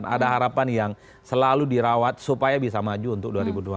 ada harapan yang selalu dirawat supaya bisa maju untuk dua ribu dua puluh